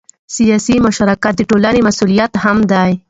سیاسي مشارکت د ټولنې مسؤلیت هم دی